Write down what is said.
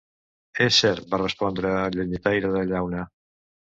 "És cert", va respondre el Llenyataire de Llauna.